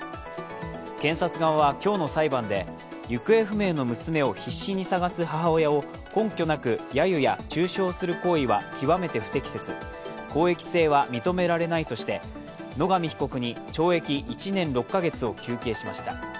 検察側は今日の裁判で、行方不明の娘を必死に捜す母親を根拠なく、やゆや中傷する行為は極めて不適切、公益性は認められないとして野上被告に懲役１年６カ月を求刑しました。